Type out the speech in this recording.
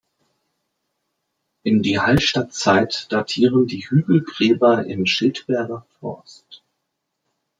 In die Hallstattzeit datieren die Hügelgräber im Schiltberger Forst.